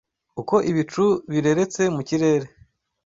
uko ibicu bireretse mu kirere